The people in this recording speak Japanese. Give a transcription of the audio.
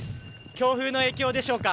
強風の影響でしょうか。